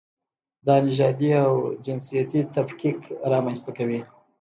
دا نژادي او جنسیتي تفکیک رامنځته کوي.